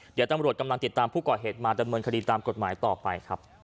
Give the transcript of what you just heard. เดี๋ยวตำรวจกำลังติดตามผู้ก่อเหตุมาดำเนินคดีตามกฎหมายต่อไปครับ